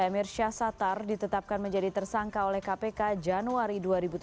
emir syahsatar ditetapkan menjadi tersangka oleh kpk januari dua ribu tujuh belas